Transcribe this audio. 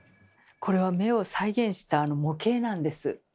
これは目を再現した模型なんです。